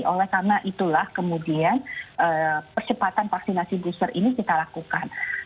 oleh karena itulah kemudian percepatan vaksinasi booster ini kita lakukan